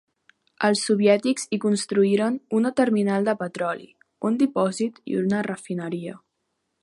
Els soviètics hi construïren una terminal de petroli, un dipòsit i una refineria.